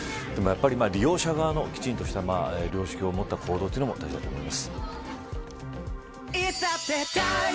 利用者側のきちんとした良識を持った行動も大切だと思います。